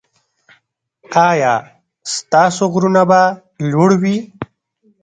ایا ستاسو غرونه به لوړ وي؟